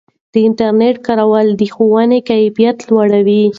د انټرنیټ کارول د ښوونې کیفیت لوړوي.